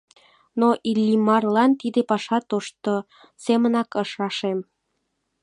Но Иллимарлан тиде паша тошто семынак ыш рашем.